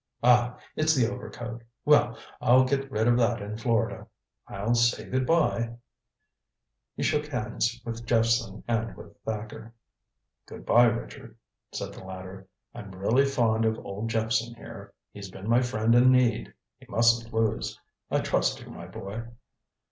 Ah it's the overcoat. Well, I'll get rid of that in Florida. I'll say good by " He shook hands with Jephson and with Thacker. "Good by, Richard," said the latter. "I'm really fond of old Jephson here. He's been my friend in need he mustn't lose. I trust you, my boy."